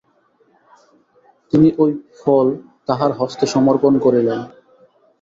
তিনি ঐ ফল তাহার হস্তে সমর্পণ করিলেন।